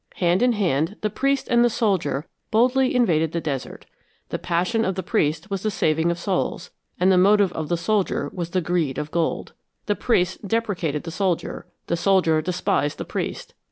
Hand in hand the priest and the soldier boldly invaded the desert. The passion of the priest was the saving of souls, and the motive of the soldier was the greed of gold. The priest deprecated the soldier; the soldier despised the priest.